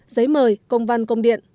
giấy mời công văn công điện